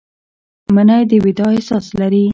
منی د وداع احساس لري